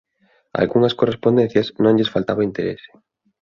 A algunhas correspondencias non lles faltaba interese.